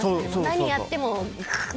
何やってもくっ！